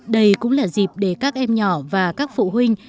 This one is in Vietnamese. đây cũng là dịp để các em nhỏ và các phụ huynh